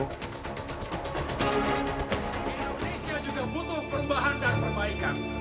indonesia juga butuh perubahan dan perbaikan